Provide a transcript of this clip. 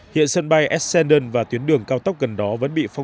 hiện sân bay ascendant và tuyến đường cao tốc gần đó